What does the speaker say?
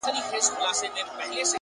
روښانه ذهن روښانه انتخاب کوي.!